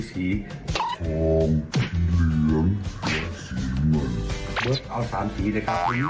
เบิร์ตจะเอา๓สีเลยนะครับ